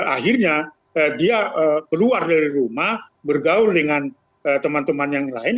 akhirnya dia keluar dari rumah bergaul dengan teman teman yang lain